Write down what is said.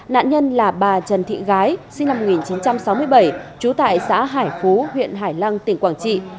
nạn nhân là bà trần thị gái sinh năm một nghìn chín trăm sáu mươi bảy trú tại xã hải phú huyện hải lăng tỉnh quảng trị